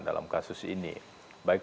dalam kasus ini baik